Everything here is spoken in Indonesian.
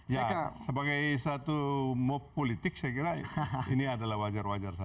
ya sebagai satu mop politik saya kira ini adalah wajar wajar saja